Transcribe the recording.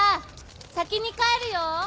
先に帰るよ！